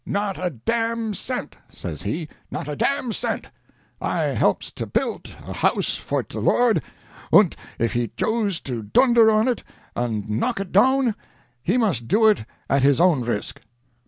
'Not a dam cent,' says he, 'not a dam cent! I helps to puild a house for te Lord, und if he joose to dunder on it and knock it down, he must do it at his own risk!'